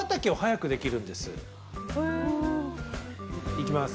いきます。